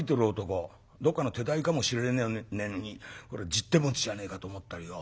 どっかの手代かもしれねえのに俺十手持ちじゃねえかと思ったりよ